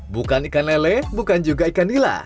bukan ikan lele bukan juga ikan nila